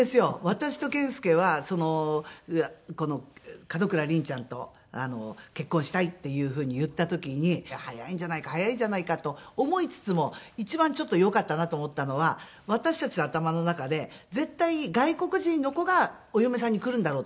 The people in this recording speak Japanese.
私と健介は門倉凛ちゃんと結婚したいっていう風に言った時に早いんじゃないか早いんじゃないかと思いつつも一番よかったなと思ったのは私たちの頭の中で絶対外国人の子がお嫁さんに来るんだろうと思ってたんです。